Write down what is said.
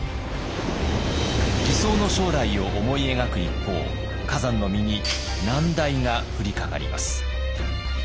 理想の将来を思い描く一方崋山の身に難題が降りかかります。